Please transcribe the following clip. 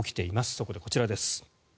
そこでこちらです。